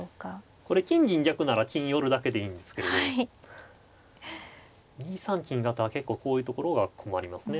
これ金銀逆なら金寄るだけでいいんですけれど２三金型は結構こういうところが困りますね。